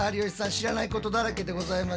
知らないことだらけでございましたね。